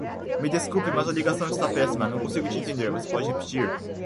Me desculpe, mas a ligação está péssima, não consigo te entender. Você pode repetir.